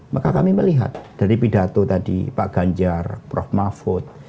maka kami melihat dari pidato tadi pak ganjar prof mahfud